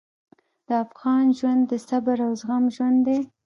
د افغان ژوند د صبر او زغم ژوند دی.